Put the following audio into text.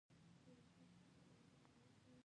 د روغتون له دروازې څخه د امبولانس غږ تر غوږو شو.